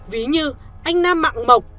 ví như anh nam mạng mộc